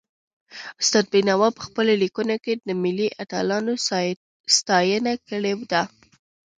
استاد بينوا په پخپلو ليکنو کي د ملي اتلانو ستاینه کړې ده.